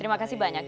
terima kasih banyak